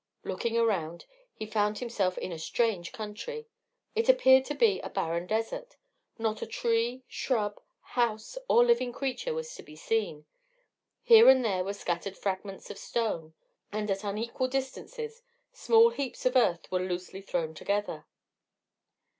Looking around, he found himself in a strange country; it appeared to be a barren desert not a tree, shrub, house, or living creature was to be seen; here and there were scattered fragments of stone; and at unequal distances, small heaps of earth were loosely thrown together.